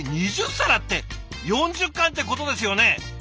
えっ２０皿って４０貫ってことですよね？